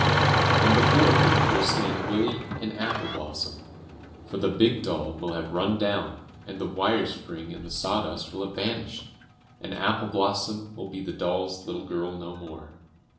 and before her will stand Willie and Apple blossom. For the big doll will have run down, and the wire spring and the sawdust will have vanished, and Apple blossom will be the doll's little girl no more.